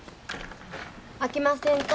あきませんか？